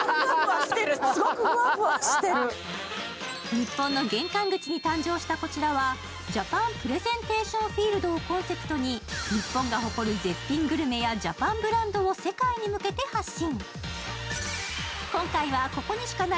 日本の玄関口に誕生したこちらは、「ジャパン・プレゼンテーション・フィールド」をコンセプトに、日本が誇る絶品グルメやジャパンブランドを世界に向けて発信。